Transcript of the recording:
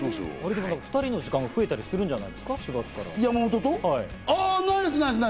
４月から２人の時間が増えたりするんじゃないですか？